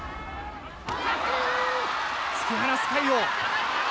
突き放す、魁皇。